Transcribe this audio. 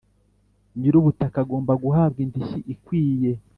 Nyir ‘ubutaka agomba guhabwa indishyi ikwiye .